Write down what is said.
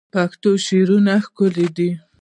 پښتو شعرونه ښکلي دي